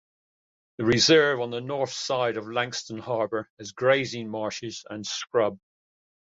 This reserve on the north coast of Langstone Harbour has grazing marshes and scrub.